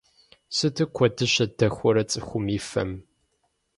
Сыту куэдыщэ дэхуэрэ цӏыхум и фэм…